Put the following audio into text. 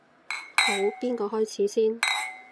好，邊個開始先？